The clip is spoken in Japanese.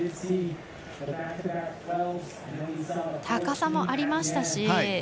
高さもありましたし。